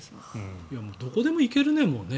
どこでも行けるね